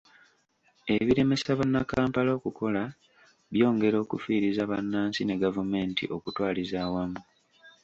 Ebiremesa bannakampala okukola byongera okufiiriza bannansi ne gavumenti okutwaliza awamu.